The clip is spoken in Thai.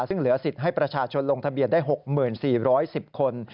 ซึ่งเหลือสิทธิ์ให้ประชาชนลงทะเบียนได้๖๔๑๐คน